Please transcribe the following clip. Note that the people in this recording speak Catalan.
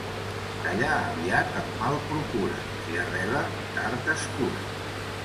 Tallar aviat el mal procura, si arrela, tard es cura.